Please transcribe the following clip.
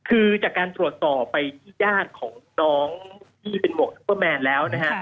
คือจากการตรวจสอบไปที่ญาติของน้องที่เป็นหมวกซุปเปอร์แมนแล้วนะฮะ